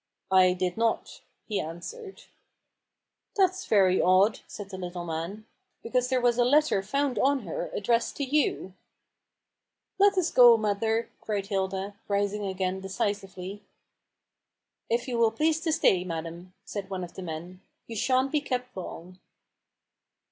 " I did not," he answered. HUGO RAVEN'S HAND. IJQ " That's very odd !" said the little man ;" because there was a letter found on her addressed to you !"" Let us go, mother !" cried Hilda, rising again decisively. " If you will please to stay, madam/' said one of the men. " You sha'n't be kept long."